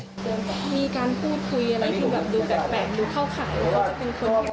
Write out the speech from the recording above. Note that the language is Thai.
มีการพูดคุยอะไรที่ดูแบบแปลก